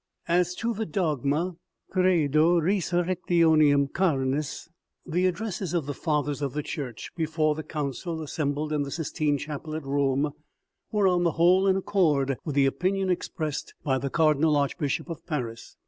As to the dogma " Credo Resurrectionem Carnis," the addresses of the fathers of the Church before the council assembled in the Sistine chapel at Rome, were, on the whole, in accord with the opinion expressed by the cardi nal archbishop of Paris.